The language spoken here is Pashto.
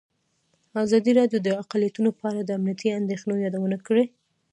ازادي راډیو د اقلیتونه په اړه د امنیتي اندېښنو یادونه کړې.